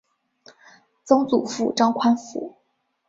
曾祖父张宽甫。